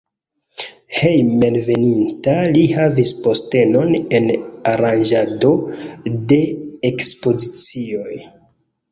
Hejmenveninta li havis postenon en aranĝado de ekspozicioj.